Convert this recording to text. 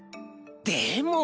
でも。